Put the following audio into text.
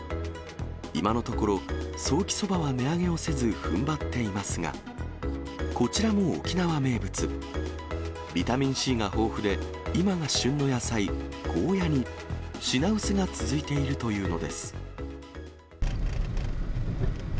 今のところ、ソーキそばは値上げをせず、ふんばっていますが、こちらも沖縄名物、ビタミンＣが豊富で、今が旬の野菜、ゴーヤに品薄が続いているというのです。